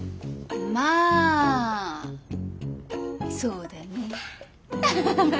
まあそうだね。